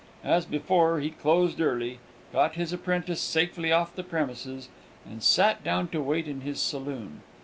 As before, he closed early, got his apprentice safely off the premises, and sat down to wait in his saloon.